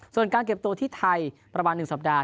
ส่วนการเก็บตัวที่ไทยประมาณ๑สัปดาห